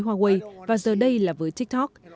huawei và giờ đây là với tiktok